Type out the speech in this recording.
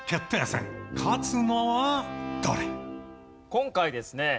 今回ですね